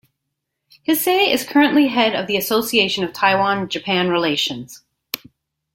Hsieh is currently the head of the Association of Taiwan-Japan Relations.